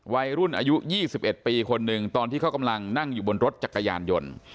อายุ๒๑ปีคนหนึ่งตอนที่เขากำลังนั่งอยู่บนรถจักรยานยนต์